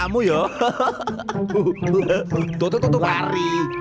tuh tuh tuh lari